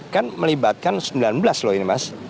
kan melibatkan sembilan belas loh ini mas